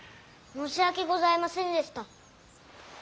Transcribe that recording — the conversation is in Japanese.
申し訳ございませんでした。